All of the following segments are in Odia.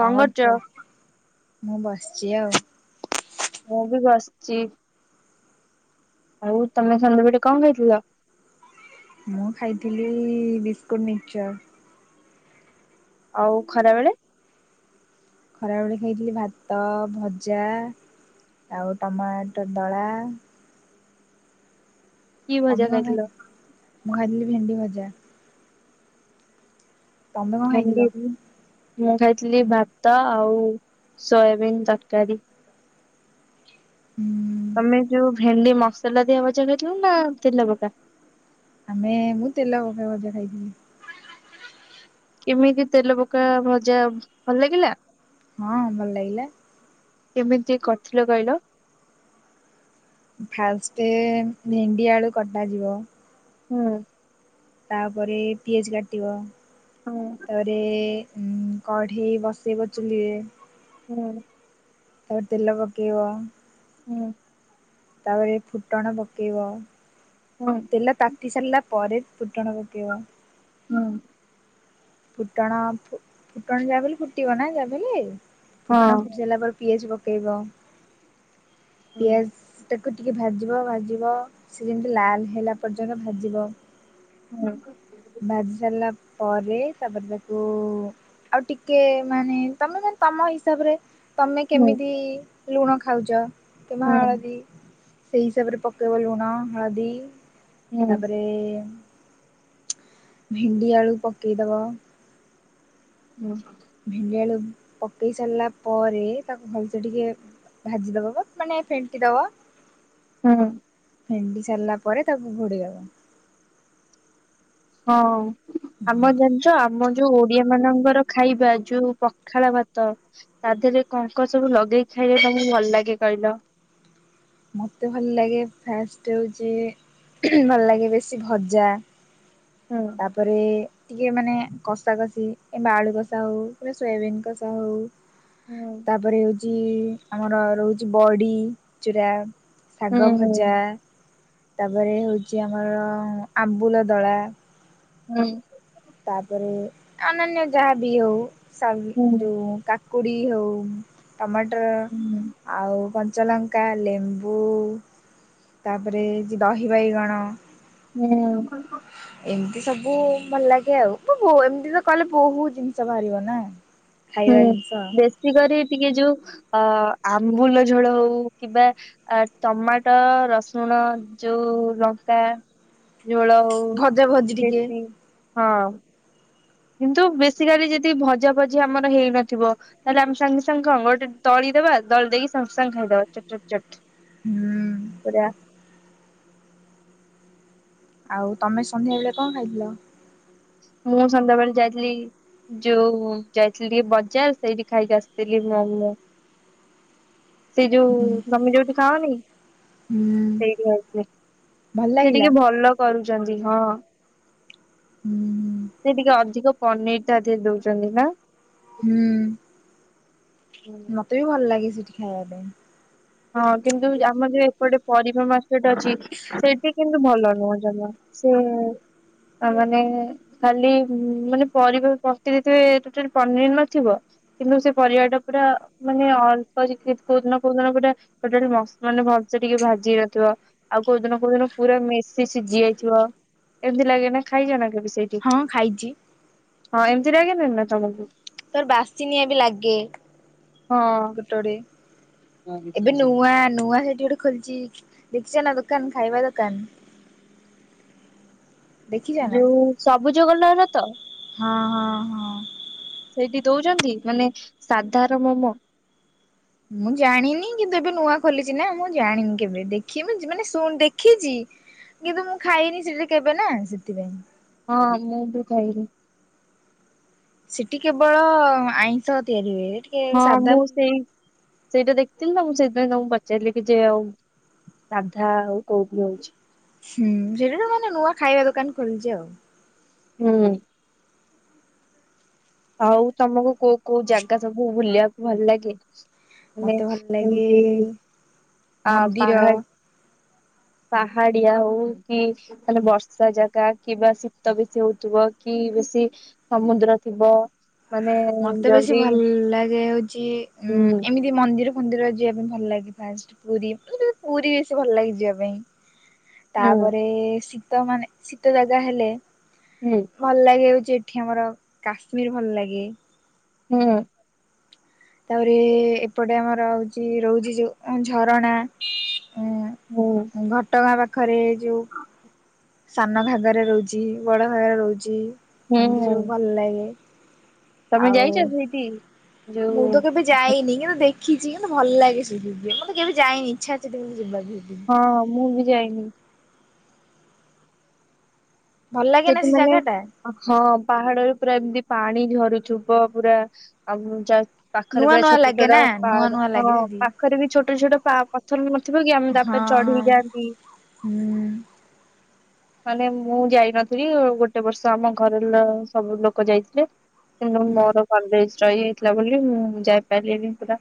କଣ କରଛ? ମୁଁ ବସିଛି ଆଉ। ମୁଁ ବି ବସିଛି। ଆଉ ତମେ ସନ୍ଧ୍ୟାବେଟେ କଣ ଖଇଥିଲ? ମୁଁ ଖାଇଥିଲି ବିସ୍କୁଟ୍ ମିକ୍ଚର୍। ଆଉ ଖରା ବେଳେ? ଖରାବେଳେ ଖାଇଥିଲି ଭାତ ଭଜା ଆଉ ଟମାଟ ଦଳା। କି ଭଜା ତମେ କଣ ଖାଇି ଖାଇଥିଲ? ମୁଁ ଖାଇଥିଲି ଭେଣ୍ଡି ଭଜା। ତମେ କଣ ଖାଇଥିଲ? ଭେଣ୍ଡି ମୁଁ ଖାଇଥିଲି ଭାତ ଆଉ ସୋୟାବିନ୍ ତରକାରୀ। ହୁଁ। ତମେ ଯୋଉ ଭେଣ୍ଡି ମସଲା ଦିଆବଜା ଖାଇଥିଲ ନା ତେଲ ପକା? ଆମେ ମୁଁ ତେଲ ପକା ଭଜା ଖାଇଥିଲି। କେମିତି ତେଲ ପକା ଭଜା ଭଲ ଲାଗିଲା। ହଁ ଭଲ ଲାଗିଲା। କେମିତି କରିଥିଲ କହିଲ? ଫାଷ୍ଟେ ଭେଣ୍ଡି ଆଳୁ କଟା ଯିବ। ହୁଁ। ତାପରେ ପିଆଜ କାଟିବ ହୁଁ ତାପରେ କଢ଼େଇ ବସେଇବ ଚୁଲିରେ। ହୁଁ। ତାପରେ ତେଲ ପକେଇବ। ହୁଁ। ତାପରେ ଫୁଟଣ ପକେଇବ ତେଲ କାଟି ସାରିଲା ପରେ ଫୁଟଣ ପକେଇବ। ହୁଁ। ଫୁଟଣ ଫୁ-ଫୁଟଣ ଯାହାବି ହେଲେ ଫୁଟିବ ନା ଯାହାବିହେଲେ ଫୁଟଣ ହଁ ଫୁଟି ସାଲା ପରେ ପିଆଜ୍ ପକାଇବ ହୁଁ ପିଆଜ୍ ତାକୁ ଟିକେ ଭାଜିବ ଭାଜିବ ସିଏ ଯେମିତି ଲାଲ ହେଲା ପର୍ଯ୍ୟନ୍ତ ଭାଜିବ। ହୁଁ। ଦ୍ଭାଜି ସାରିଲା ପରେ ତାପରେ ତାକୁ ଆଉ ଟିକେ ମାନେ ତମେ ଯେମିତି ତମ ହିସାବରେ ତମେ ହୁଁ କେମିତି ଲୁଣ ଖାଉଚ଼ କିମ୍ବା ହଳଦୀ ସେଇ ହିସାବରେ ପକେଇବ ଲୁଣ ହଳଦୀ ହୁଁ ତାପରେ ଭେଣ୍ଡି ଆଳୁ ପକେଇଦବ ହୁଁ ହଁ। ଭେଣ୍ଡିଆଳୁ ପକେଇ ସାରିଲା ପରେ ତାକୁ ଭଲସେ ଟିକେ ଭାଜି ଦବ ଗୋ ମାନେ ଫେଣ୍ଟି ଦବ ହୁଁ ହୁଁ। ଫେଣ୍ଡି ସାରିଲା ପରେ ତାକୁ ଘୋଡ଼େଇଦବ ହଁ ଆମ ଜେ ଯ ଆମର ଯୋଉ ଓଡିଆ ମାନଙ୍କର ଖାଇବା ଯୋଉ ପଖାଳ ଭାତ ତା ଦେହରେ କଙ୍କ ସବୁ ଲଗେଇ ଖାଇଲେ ତମକୁ ଭଲ ଲାଗେ କଇଲ? ମୋତେ ଭଲ ଲାଗେ ଫାଷ୍ଟ ହେଉଛି ଭଲ ଲାଗେ ବେଶୀ ଭଜା ଉଁ। ତାପରେ ଟିକେ ମାନେ କଷା କଷି କିମ୍ଵା ଆଳୁ କଷା ହଉ କିମ୍ବା ସୋୟାବିନ୍ କଷା ହୋଉ ହୁଁ ତାପରେ ହଉଚି ଆମର ରହୁଚି ବଡ଼ି ଚୂୁରା ଶାଗ ହୁଁ ଭଜା ତାପରେ ହେଉଚି ଆମର ଆମ୍ବୁଲ ଦଳା ହୁଁ। ତାପରେ ଅନ୍ୟନ୍ୟ ଯାହା ବି ହୋଉ ହୁଁ ସଉ କା ପୁଡ଼ି ହେଉ ଟମାଟର ହୁଁ ଆଉ କଞ୍ଚାଲଙ୍କା ଲେମ୍ବୁ ତାପରେ ଯେ ଦହି ବାଇଗଣ ହୁଁ କହିବ। ଏମତି ସବୁ ଭଲ ଲାଗେ ଆଉ ଏମତି ତ କଲେ ବହୁତ ଜିନିଷ ବାହାରିବ ନା ହଁ [unintelligible] ହୁଁ ବେଶୀ କରି ଟିକେ ଯୋଉ ଅ ଆମ୍ବୁଲ ଝୋଳ ହଉ କିମ୍ବା ଆ ଟମାଟୋ ରସୁଣ ଯୋଉ ଲଙ୍କା ଝୋଳ ହଉ ଭଜା ଭଜି ଭୋଭତୁ ଟିକେ ସେତିକି ହଁ। କିନ୍ତୁ ବେଶୀିକାଲି ଯଦ ଭଜା ଭଜି ଆମର ହେଇନଥିବ ତାହେଲେ ଆମେ ସାଙ୍ଗେ ସାଙ୍ଗେ କଣ ଗୋଟେ ଦଳିଦବା ଦଳି ଦେଇକି ସାଙ୍ଗେ ସାଙ୍ଗେ ଖାଇଦବାଟଟ ହୁଁ। ପୁରା। ଆଉ ତମେ ସନ୍ଧ୍ୟା ବେଳେ କଣ ଖାଇଥିଲ? ମୁଁ ସନ୍ଧ୍ୟାବେଳେ ଯାଇଥିଲି ଯୋଉ ଯାଇଥିଲି ଟିକେ ବଜାର ସେଇଠି ଖାଇକିଆ ନଥିଲି ମୋମେ ସି ଯଉ ମେ। ଖାଅନି, ହୁଁ ସେଇଠୁ ଆଣିବେ ଭଲ ସେ ଲାଗିଲା ଟିକେ ଭଲ କରୁଚ଼ନ୍ତି ହଁ। ହୁଁ। ସେ ଟିକେ ଅଧିକ ପନିର ଟା ତା ଦେ ଦଉଚ଼ନ୍ତି ନା? ହୁଁ ମତେ ବି ଭଲ ଲାଗେ ସେଠି ଖାଇବା ପାଇଁ। ହଁ କିନ୍ତୁ ଆମର ଯୋଉ ଏପଟେ ପରିବା ମାର୍କେଟ ଅଛି ସେଠି କି ଭଲ ନୁହଁ ଜମା ସେ ମାନେ ଖାଲି ମାନେ ପରିବା ପକେଇଦେଇଥିବେ ପନିର ନଥିବ। କିନ୍ତୁ ସେ ପରିବା ଟା ପୁରା ମାନେ ଅଳ୍ପ ଚ କୋଉଦିନ କୋଉଦିନ ପୁରା ମାନେ ମସ୍ ଭଲସେ ଟିକେ ଭାଜି ହେଇ ନଥିବ। ଆଉ କୋଉ ଦିନ କୋଉ ଦିନ ପୁରା ମେଶି ସିଝି ଯାଇଥିବ ଏମିତି ଲାଗେ ନା ଖାଇଛ ନା କେବେ ସେଇ ହଁ ଖାଇଚି। ହଁ ଏମିତିନାଗେ ନା ନ ତମକୁ ତୋର ବାସିନିଆ ବି ଲାଗେ ହଁ। ଗୋଟେ ଗୋଟେ ଏବେ ନୂଆ ନୂଆ ସେଇଠି ଗୋଟେ ଖୋଲିଛି ଦେଖିଛ ନା ଦୋକାନ ଖାଇବା ଦୋକାନ ଦେଖିଛ ନା ଯୋଉ ସବୁଜୋଗ ନର ତ ହଁ ହଁ ହଁ। ସେଇଠି ଦଉଛନ୍ତି ମାନେ ସାଧାର ମୋମୋ ମୁଁ ଜାଣିନି କିନ୍ତୁ ଏବେ ନୂଆ ଖୋଲିଛି ନା ମୁଁ ଜାଣିନି କେବେ ଦେଖ ମୁ ମାନେ ଶୁ ଦେଖିଛି କିନ୍ତୁ ମୁଁ ଖାଇନି ସେଠି କେବେ ନା ସେଥିପାଇଁ ହଁ ମୁ ବି ଖାଇ ସେଠି କେବଳ ଆଇଁଷ ତିଆରି ହୁଏଠି। ହଁ ମୁଁ ସେଇ ସେଇଟା ଦେଖିଥିଲି ନା ମୁଁ ସେଇଥିପାଇଁ ତମକୁ ପଚାରିଲି କି ଯଏ ଆଉ ସାଧା ଆଉ କୋଉଠି ହଉଛି? ହୁଁ ସେଠାରୁ ମାନେ ନୂଆ ଖାଇବା ଦୋକାନ ଖୋଲିଛି ଆଉ ହୁଁ। ଆଉ ତମକୁ କୋଉ କୋଉ ଜାଗା ସବୁ ବୁଲିବାକୁ ଭଲ ଲାଗେ? ମତେ ଭଲ ଲାଗେ ସେମତି ଆ ମନ୍ଦିର ପାହାଡ଼ [inaudible] ପାହାଡିଆ ହଉ କି ତାଲେ ବର୍ଷା ଜାଗା କିବା ଶୀତ ବେଶୀ ହଉଥିବ କି ବେଶୀ ସମୁଦ୍ର ଥିବ ମାନେ ମତେ ବେଶୀ ଯଦି ଭଲ ଲାଗେ ହଉଛି ଉ ହୁଁ ଏମିତି ମନ୍ଦିର ଫନ୍ଦିର ଯିବା ପାଇଁ ଭଲ ଲାଗେ ଫାଷ୍ଟ ପୁରୀ ପୁରୀ ବେଶୀ ଭଲ ଲାଗେ ଯିବା ପାଇଁ ହୁଁ ତାପରେ ଶୀତ ମାନେ ଶୀତ ଜାଗା ହେଲେ ହୁଁ। ଭଲ ଲାଗେ ହଉଛି ଏଠି ଆମର କାଶ୍ମୀର ଭଲ ଲାଗେ ହୁଁ। ତାପରେ ଏପଟେ ଆମର ହଉଛି ରହୁଛି ଯେଉ ଝରଣା ହଁ। ଘଟଗାଁ ପାଖରେ ଯେଉଁ ସାନ ଭାଗରେ ରହୁଛି ବଡ ଭାଗରେ ରହୁଛି ଏମିତି ହୁଁ ସବୁ ଭଲ ଲାଗେ। ତମେ ଆଉ ଯାଇଛ ସେଇଠି ମୁଁ ଯୋଉ ତ କେବେ ଯାଇନି କିନ୍ତୁ ଦେଖ ଦେଖିଛି କିନ୍ତୁ ଭଲ ଲାଗେ ସେି ଯିବେ ମତ କେବେ ଯାଇନି ଇଚ୍ଛା ଅଛିି କେବେ ଯିବାକୁ ଯିବି। ହଁ ମୁଁ ବି ଯାଇନି। ଭଲ ଲାଗେ ନା ସେଠି ସେ ମାନେ ଜାଗା ଟା ହଁ ପାହାଡରେ ପୁରା ଏମିତି ପାଣି ଝରୁଥିବ ପୁରା ଆ ପାଖରେ ନୂଆ ପ୍ରାୟ ନୂଆ ଛୋଟ ଲାଗେ ଛୋଟ ନା ପା ନୂଆ ନୂଆ ଲାଗେ ହଁ ସେଠି। ପାଖରେ ବି ଛୋଟ ଛୋଟ ପା ପଥର ନଥିବ କି ଆମେ ତାପରେ ହଁ ଚଢିକି ଯାଆନ୍ତି। ହଁ ହୁଁ ମାନେ ମୁଁ ଯାଇନ ଫିରି ଗୋଟେ ବର୍ଷ ଆମ ଘରର ସବୁ ଲୋକ ଯାଇଥିଲେ। କିନ୍ତୁ ହୁଁ ମୋର କଲେଜ ରହିଯାଇଥିଲା ବୋଲି ମୁଁ ଯାଇପାରିଲିନି ପୁରା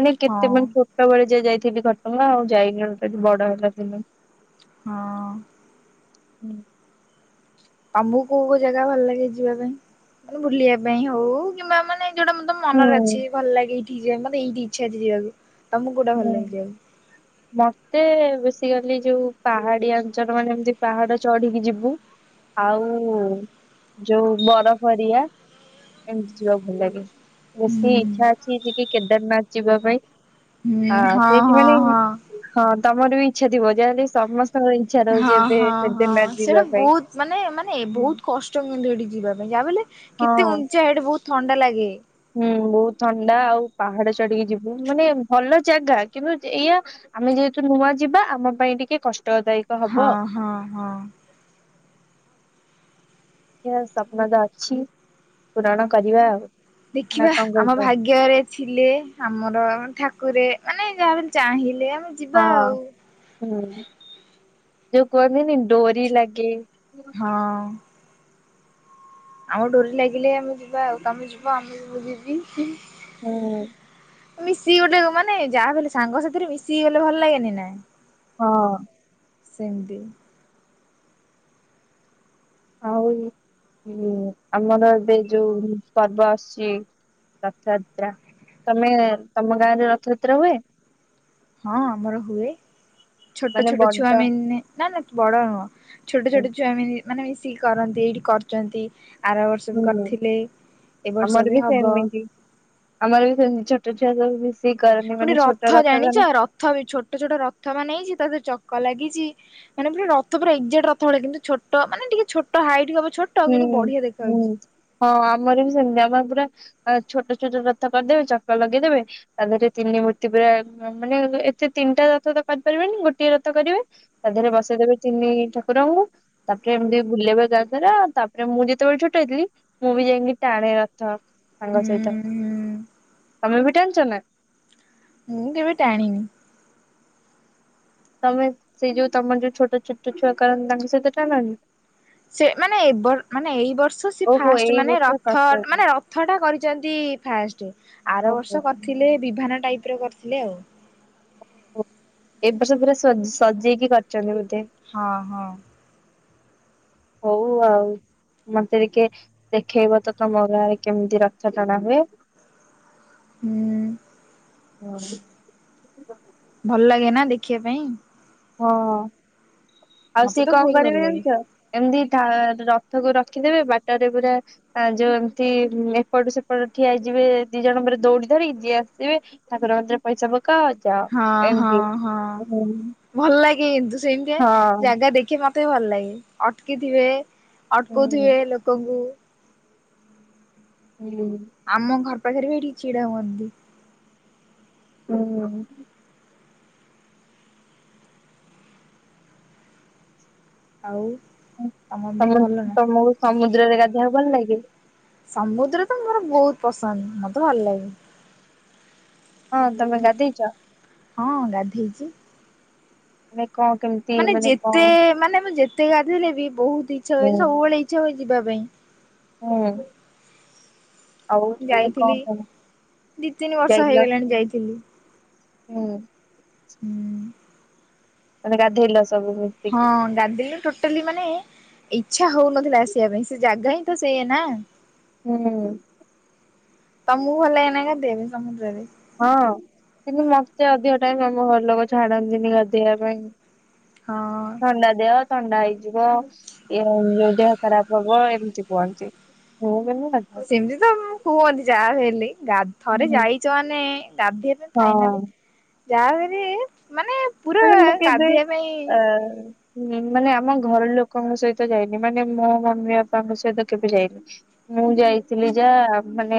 ମାନେ ହଁ କେତେବେଳେ [unintelligible] ଛୋଟବେଳେ ଯା ଯାଇଥିଲି ଘଟଗାଁ ଆଉ ଯାଇନିି ବଡ ହେଲା ଦିନୁ। ହଁ। ହୁଁ। ଆମକୁ କୋଉ କୋଉ ଜାଗା ଭଲ ଲାଗେ ଯିବା ପାଇଁ ମାନେ ବୁଲିବା ପାଇଁ ହଉ କିମ୍ବା ମାନେ ଯୋଉଟା ମ ତମ ହୁଁ ମନରେ ଅଛି ଭଲଲାଗେ ଏଇଠିକି ଜିବା ମାନେ ଏଇଠିକି ଇଚ୍ଛାଅଛି ଯିବାକୁ ତମକୁ କଉଟା ଭଲ ହୁଁ। ଲାଗେ ଯିବାକୁ। ହଁ। ମତେ ବେଶୀ କାଲି ଯୋଉ ପାହାଡି ଅଞ୍ଚଳ ମାନେ ଏମତି ପାହାଡ ଚଢିକି ଯିବୁ। ଆଉ ଯୋଉ ବରଫରିଆ ଏମତି ଯିବାକୁ ଭଲ ଲାଗେ ହୁଁ ବେଶୀ ଇଚ୍ଛା ଅଛି ଜିବି କେଦାରନାଥ ଯିବା ପାଇଁ। ହୁଁ ଆ ହଁ ସେଇଠି ହଁ ମାନେ ହଁ। ହଁ ତମର ବି ଇଛା ଥିବ ଯାହାେଲେ ସମସ୍ତଙ୍କର ଇ ହଁ ହଁ ହଁ ସେଇଟା ବହୁତ ମାନେ ମାନେ ବହୁତ କଷ୍ କଉ ମନ୍ଦିର ଗୋଟେ ଯିବା ପାଇଁ ଯାହାବି ହେଲେ ହଁ। କେତେ ଉଞ୍ଚା ହେଠେ ବହୁତ ଥଣ୍ଡା ଲାଗେ। ହୁଁ ବହୁତ ଥଣ୍ଡା ଆଉ ପାହାଡ ଚଢିକି ଯିବୁ ମାନେ ଭଲ ଜାଗା କିନ୍ତୁ ଏଇଆ ଆମେ ଯେହେତୁ ନୂଆ ଯିବା ଆମ ପାଇଁ ଟିକେ କଷ୍ଟଦାୟକ। ହବ ହଁ ଆଉ। ହଁ ହଁ। ଦେଖିଆ ସ୍ୱପ୍ନଟା ଅଛି ପୁରଣ କରିବା ଆଉ। ନା ଦେଖିବା କଣ ଆମ କହୁଛ ଭାଗ୍ୟରେ ଥିଲେ ଆମର ଠାକୁରେ ମାନେ ଯାହାବି ହେଲେ ଚାହିଁଲେ ଆମ ହଁ ହୁଁ ଯଉ କୁହନ୍ତିନି ଡୋରି ଲଗେ ହଁ। ଆମ ଡୋରି ଲାଗିଲେ ଆମେ ଯିବା ଆଉ ତମେ ଯିବ ଆମେବି ମୁଁ ଜିବି। ହୁଁ। ମିଶିକି ଗୋଟେ ମାନେ ଯାହାବି ହେଲେ ସାଙ୍ଗ ସାଥିରେ ମିଶିକି ଗଲେ ଭଲ ଲାଗେନି ନା? ହଁ। ସେମତି। ଆଉ [inaudible] ହୁଁ ଆମର ଏବେ ଯୋଉ ପର୍ବ ଆସୁଛି ରଥଯାତ୍ରା ତମେ ତମ ଗାଁରେ ରଥଯାତ୍ରା ହୁଏ? ହଁ ଆମର ହୁଏ ଛୋଟ ମାନେ ଛୋଟ ଛୁଆ ବଡ ମିନ ନା ନା ବଡ ନୁହଁ ଛୋଟ ଛୋଟ ଛୁଆ ମାନେ ମିଶିକି କରନ୍ତି ଏଇଠି କରୁଛନ୍ତି। ଆର ବର୍ଷ ବି ହୁଁ କରିଥିଲେ ଏ ବର୍ଷ ଆମର ବି ହବ। ସେମିତି ଆମର ବି ସେମତି ଛୋଟ ଛୁଆ [unintelligible] ସବୁ ମିଶିକି କରନ୍ତି ପୁଣି ମାନେ ଛୋଟ ରଥ ଜାଣିଛ ରଥରେ ରଥ ବି ଛୋଟ ଛୋଟ ରଥ ମାନେ ହେଇଛି ତା ଦେହେରେ ଚକ ଲାଗିଛି। ମାନେପୁରା ରଥ ପୁରା ଏକ୍ଜାକ୍ଟ ରଥ ଭଳିଆ କିନ୍ତୁଛୋଟ ମାନେ ଟିକେ ଛୋଟ ହାଇଟ୍ ହବ ଛୋ ହୁଁ ହୁଁ ହଁ ଆମର ବି ସେମିତି ଆମର ପୁରା ଛୋଟ ଛୋଟ ରଥ କରିଦେବେ ଚକ ଲଗେଇଦେବେ ତା ଦେହରେ ତିନି ମୂର୍ତ୍ତି ପୁରା ମାନେ ଏତେ ତିନିଟା ରଥ ତ କରିପାରିବେନି ଗୋଟିଏ ରଥ କରିବେ ତା ଦେହରେ ବସେଇଦବେ ତିନି ଠାକୁରଙ୍କୁ ତାପରେ ଏମିତି ବୁଲେଇବା ଗାଁ ସାରା ତାପରେ ମୁଁ ଯେତେବେଳେ ଛୋଟ ହେଇଥିଲି ମୁଁ ବି ଯାଇକି ଟାଣେ ରଥ ତାଙ୍କ ହୁଁ ସହିତ। ହୁଁ ତମେ ବି ଟାଣିଚ ନାଁ? ମୁଁ କେବେ ଟାଣିନି। ତମେ ସେଇ ଯୋଉ ତମର ଯୋଉ ଛୋଟ ଛୋଟ ଛୁଆ କରନ୍ତି ତାଙ୍କ ସହିତ ଟାଣନି? ସେ ମାନେ ଏ ବର ମାନେ ଏଇ ବର୍ଷ ସେ ଓହୋ ଫାଷ୍ଟ ଏଇ ମାନେ ବର୍ଷ ରଥ କରିଛନ୍ତି ମାନେ ରଥଟା କରିଛନ୍ତି ଫାଷ୍ଟ ଆର ଓହୋ ବର୍ଷ କରିଥିଲେ ବିଭାନ ଟାଇପର କରିଥିଲେ ଆଉ। ଓହୋ ଏ ବର୍ଷ ପୁରା ସଜେଇକି କରିଛନ୍ତି ବୋଧେ। ହଁ ହଁ। ହଉ ଆଉ। ମତେ ଟିକେ ଦେଖେଇବ ତ ତମ ଗାଁରେ କେମିତି ରଥ ଟଣା ହୁଏ। ହୁଁ ଭଲ ଲାଗେ ନା ଦେଖିବା ପାଇଁ ହଁ ଆଉ ମତେ ସିଏ ତ କଣ ବହୁତ ଭଲ କରିବେ ଲାଗେ। ଜଣିିଛ? ଏମିତି ରଥକୁ ରଖିଦେବେ ବାଟରେ ପୁରା ଆ ଯୋଉ ଏମିତି ଏପଟୁ ସେପଟ ଠିଆ ହେଇଯିବେ ଦି ଜଣ ପରେ ଦୌଡି ଧରିି ଯିଏ ଆସିବେ ଠାକୁର ମନ୍ଦିରେ ପଇସା ପକା ହଁ, ହଁ, ହଁ। ଭଲ ଲାଗେ କିନ୍ତୁ ସେମିତି ଜାଗା ଦେଖି ମତେ ବି ଭଲ ଲାଗେ। ଅଟକିଥିବେ ହୁଁ ଅଟକଥିବେ ଲୋକଙ୍କୁ। [unintelligible] ଆମ ଘର ପାଖରେ ବି ଏଠିକି ଛିଡା ହୁଅନ୍ତି। [inaudible] ଆଉ? ତମ ତ ଦେହ ଭଲ ନା ତମକୁ ସମୁଦ୍ରରେ ଗାଧୋଇବାକୁ ଭଲ ଲାଗେ। ସମୁଦ୍ର ତ ମୋର ବହୁତ ପସନ୍ଦ ମତେ ଭଲ ଲାଗେ। ହଁ, ତମେ ଗାଧେଇଛ? ହଁ ଗାଧେଇଛି। ନାଇଁ କଣ କେମ୍ ମାନେ ଯେତେ-ଏ ମାନେ, ମୁଁ ଯେତେ ଗାଧଥିଲେ ବି ବହୁତ ଇଛା ହୁଏ, ହୁଁ। ସବୁବେଳେ ଇଚ୍ଛା ହୁଏ ଯିବା ପାଇଁ। ହୁଁ। ଆଉ, ମାନେ ଯାଇଥିଲି କଣ ସବୁ ଦି ତିନି ବର୍ଷ ଯାଇଲ ହେଇଗଲାଣି ହୁଁ ଯାଇଥିଲି ହୁଁ। ହୁଁ। ମାନେ ଗାଧେଇଲ ସବୁ ହୁ। ହଁ, ଗାଧେଇଲ ଟୋଟ୍ ଟାଲି ମାନେ ଇଚ୍ଛା, ହଉନଥିଲା ଆସିବା ପାଇଁ। ସେ ଜାଗା ହିଁ ତ ସେୟା ନାଁ। ହୁଁ। ତମକୁ ଭଲ ଲାଗେନା ଗାଧେଇବାପାଇଁ ସମୁଦ୍ରରେ? ହଁ, କିନ୍ତୁ ମତେ ଅଧିକ ଟାଇମ୍ ଆମ ଘର ଲୋକ ଛାଡନ୍ତିନି, ଗାଧୋଇବା ପାଇଁ। ହଁ। ଥଣ୍ଡା ଦେହ। ଥଣ୍ଡା ହେଇଯିବ, ଏ ଯୋଉ ଦେହ ଖରାପ ହବ, ଏମିତି କୁହନ୍ତି। ମୁଁ କିନୁ ଗାଧାଏ। ଏମତି ତ କୁହନ୍ତି ଯାହା ହେଲେ। ଗାଧ ଥରେ ହୁଁ ଯାଇଛ ମାନେ ଗାଧଇଲେ ହଁ ଫାଇନାଲି ଯାଏ ଭାରି ମାନେଏପ୍ ମାନେ ମୁଁ କେବେ ଆ ହୁଁ, ମାନେ ଆମ ଘର ଲୋକଙ୍କ ସହିତ ଯାଇନି। ମାନେ ମୋ ମମି ବାପାଙ୍କ ସହିତ କେବେ ଯାଇନି? ମୁଁ ଯାଇଥିଲି ଯାହା, ମାନେ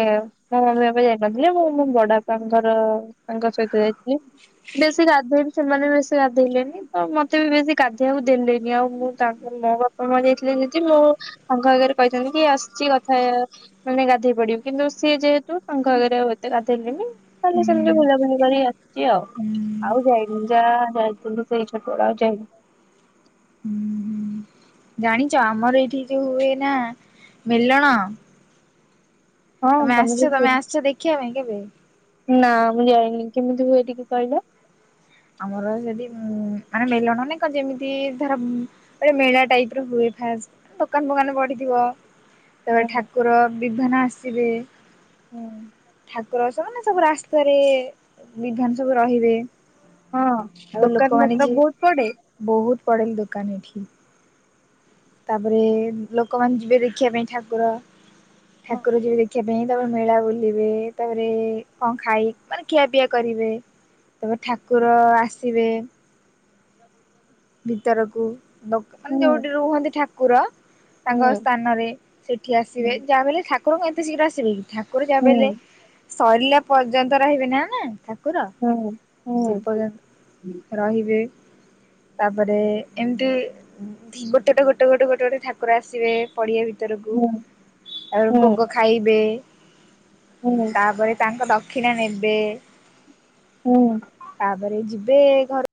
ମୋ ମମି ବାପା ଯାଇନଥିଲେ। ମୁଁ ମୋ ବଡଆପାଙ୍କର ସହିତ ଯାଇଥିଲି। ବେଶୀ ଗାଧେଇ ବି ସେମାନେ ବେଶୀ ଗାଧେଇଲେନି। ତ ମୋତେ ବି ବେଶୀ ଗାଧେଇବାକୁ ଦେଲେନି ଆଉ। ମୁଁ ତାଙ୍କରି ମୋର [unintelligible] ମୁଁ ତାଙ୍କ ଆଗରେ କହିଛନ୍ତି କି ଆସିଛି କଥା ମାନେ ଗାଧେଇ ପଡିବି। କିନ୍ତୁ ସିଏ ଯେହେତୁ ତାଙ୍କ ଆଗରେ ଆଉ ଏତେ ଗାଧେଇଲିନି। ଖାଲି ସେମିତି ହୁଁ ବୁଲାବୁଲି କରି ଆସିଛି ଆଉ। ହୁଁ ଆଉ ହୁଁ ଯାଇ ଯା ଯାଇଥିଲି ସେଇ ଛୋଟ ଅଳେ। ଆଉ ଯାଇନି? ଜାଣିଛ! ଆମର ଏଇଠି ଯୋଉ ହୁଏ ନା ମେଲଣ? ତମେ ଆସିଛ। ତମେ ଆସିଛ ଦେଖିବା ପାଇଁ କେବେ? ନାଁ ମୁଁ, ଯାଇିନି। କେମିତି ହୁଏ ଏ ଟିକେ କହିଲ? ଆମର ଯଦି ଉଁ ମାନେ ମେଲଣ, ନାଇଁ କଣ? ଯେମିତି ଧର ଗୋଟେ ମେଳା ଟାଇପ୍ ର ହୁଏ। ଫାଷ୍ଟ୍ ଦୋକାନ ଫୋକାନ ପଡ଼ିଥିବ। ତା'ପରେ ଠାକୁର ବିଭାନ ଆସିବେ। ହୁଁ। ଠାକୁର ଆସନ୍ତି ନା, ସବୁ ରାସ୍ତାରେ ବିଭାନ ସବୁ ରହିବେ। ହଁ ଆଉ, ଦୋକାନ ଲୋକମାନେ ପତ୍ର ଯିଏ, ବହୁତ ପଡେ? ବହୁତ ପଡେ ଦୋକାନ ଏଠି। ତା'ପରେ ଲୋକମାନେ ଯିବେ ଦେଖିବା ପାଇଁ ଠାକୁର। ଠାକୁର ଯିବେ ଦେଖି ଖିବା ପାଇଁ। ତା'ପରେ ମେଳା ବୁଲିବେ। ତା'ପରେ କଣ ଖାଇ, ମାନେ ଖିଆପିଆ କରିବେ। ତା'ପରେ ଠାକୁର ଆସିବେ। ଭିତରକୁ ଲୋକ୍ ମାନେ ହୁଁ ଯୋଉଠି ରୁହନ୍ତି ଠାକୁର? ତାଙ୍କ ହୁଁ ସ୍ଥାନରେ ସେଠି ହୁଁ ଆସିବେ। ଯାହାବି ହେଲେ ଠାକ୍ କୁର କଣ ଏତେ ଶୀଘ୍ର ଆସିବେ କି? ଠାକୁର ହୁଁ ଯାହାବି ହେଲେ ସରିଲା ପର୍ଯ୍ୟନ୍ତ ରହିବେ ନା, ନା, ଠାକୁର। ହୁଁ, ସେ ହୁଁ। ପର୍ଯ୍ୟନ୍ତ ରହିବେ। ତା'ପରେ ଏମିତି ଗୋଟେ, ଗୋଟେ, ଗୋଟେ, ଗୋଟେ, ଗୋଟେ, ଗୋଟେ ଠାକୁର ଆସିବେ। ପଡ଼ିଆ ଭିତରକୁ। ତା'ପରେ ଭୋଗ ଖାଇବେ। ହୁଁ। ତା'ପରେ ତାଙ୍କ ଦକ୍ଷିଣା ନେବେ। ହୁଁ। ତାପରେ ଯିବେ ଘ